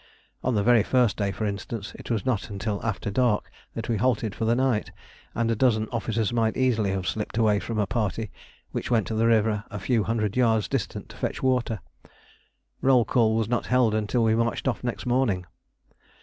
On the very first day, for instance, it was not until after dark that we halted for the night, and a dozen officers might easily have slipped away from a party which went to the river a few hundred yards distant to fetch water: roll call was not held until we marched off next morning.